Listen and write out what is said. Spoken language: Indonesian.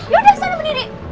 yaudah sana berdiri